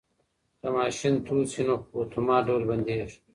که ماشین تود شي نو په اتومات ډول بندیږي.